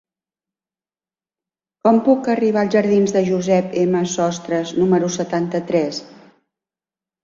Com puc arribar als jardins de Josep M. Sostres número setanta-tres?